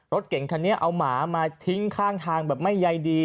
รถเก่งคันนี้เอาหมามาทิ้งข้างทางแบบไม่ใยดี